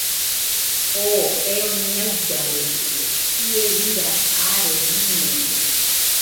Oo eo ñaɨllaredɨio, ie jira aare biñedɨio